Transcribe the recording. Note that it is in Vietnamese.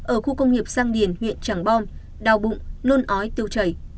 ở khu công nghiệp sang điển huyện trảng bom đau bụng nôn ói tiêu chảy